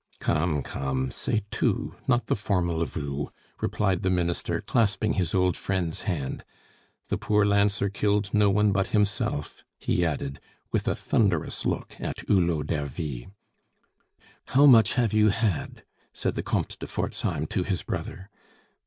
"Come, come, say tu, not the formal vous," replied the Minister, clasping his old friend's hand. "The poor lancer killed no one but himself," he added, with a thunderous look at Hulot d'Ervy. "How much have you had?" said the Comte de Forzheim to his brother.